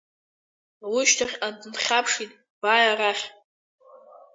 Лышьҭахьҟа дынхьаԥшит, бааи, арахь!